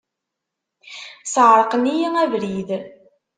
Sεerqen-iyi abrid.